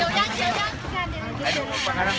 เตียบบนบก